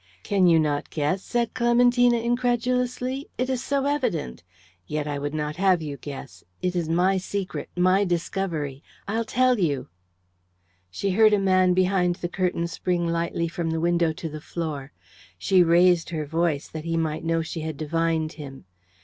"Can you not guess?" said Clementina, incredulously. "It is so evident. Yet I would not have you guess. It is my secret, my discovery. I'll tell you." She heard a man behind the curtain spring lightly from the window to the floor. She raised her voice that he might know she had divined him.